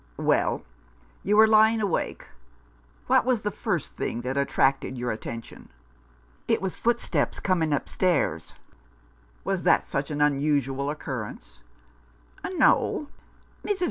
"Well, you were lying awake. What was the first thing that attracted your attention ?"" It was footsteps coming upstairs." " Was that such an unusual occurrence ?" "No. Mrs.